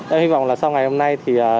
em hy vọng là sau ngày này